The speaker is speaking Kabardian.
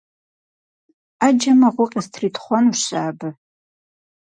Ӏэджэ мыгъуи къыстритхъуэнущ сэ абы.